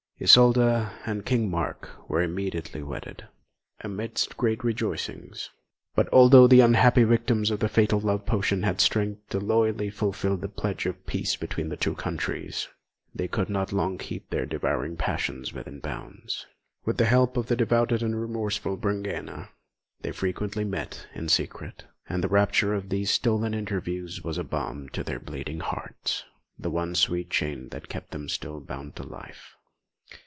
Isolda and King Mark were immediately wedded, amidst great rejoicings; but although the unhappy victims of the fatal love potion had strength to loyally fulfil this pledge of peace between the two countries, they could not long keep their devouring passion within bounds. With the help of the devoted and remorseful Brangæna, they frequently met in secret, and the rapture of these stolen interviews was as balm to their bleeding hearts, the one sweet chain that kept them still bound to life.